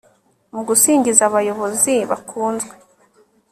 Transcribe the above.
mu gusingiza abayobozi bakunzwe